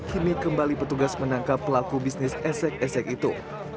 kini kembali petugas menangkap pelaku bisnis esek esek itu